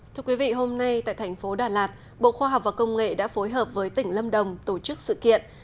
thưa quý vị hôm nay tại thành phố đà lạt bộ khoa học và công nghệ đã phối hợp với tỉnh lâm đồng tổ chức sự kiện